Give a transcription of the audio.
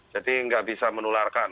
jadi nggak bisa menularkan